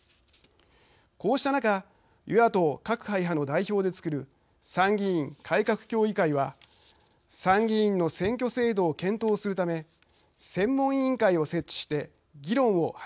こうした中与野党各会派の代表でつくる参議院改革協議会は参議院の選挙制度を検討するため専門委員会を設置して議論を始めました。